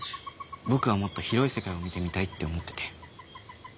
僕はもっと広い世界を見てみたいって思ってて。